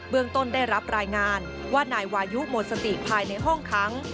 ต้นได้รับรายงานว่านายวายุหมดสติภายในห้องค้าง